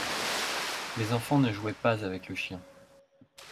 les enfants ne jouaient pas avec le chien.